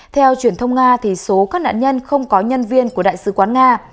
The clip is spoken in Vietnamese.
theo truyền thông nga số các nạn nhân không có nhân viên của đại sứ quán nga